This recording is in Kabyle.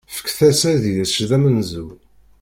Fket-as ad yečč d amenzu.